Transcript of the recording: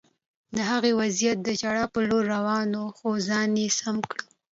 د هغه وضعیت د ژړا په لور روان و خو ځان یې سم کړ